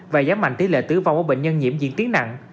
và giảm mạnh tỷ lệ tứ vong của bệnh nhân nhiễm diễn tiến nặng